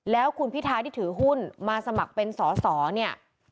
แล้วคุณพิทาที่ถือหุ้นมาสมัครเป็นสอสอเนี่ย